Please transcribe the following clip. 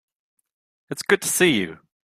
It's good to see you.